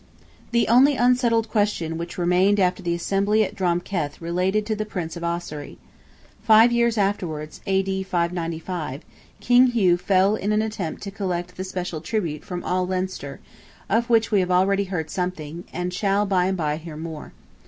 The only unsettled question which remained after the Assembly at Drom Keth related to the Prince of Ossory. Five years afterwards (A.D. 595), King Hugh fell in an attempt to collect the special tribute from all Leinster, of which we have already heard something, and shall, by and by, hear more.